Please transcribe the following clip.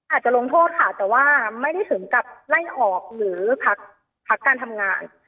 อาจจะลงโทษค่ะแต่ว่าไม่ได้ถึงกับไล่ออกหรือพักการทำงาน